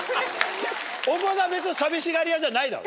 大久保さんは別に寂しがり屋じゃないだろ？